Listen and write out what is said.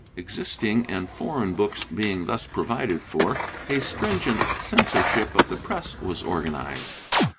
Existing and foreign books being thus provided for, a stringent censorship of the press was organized.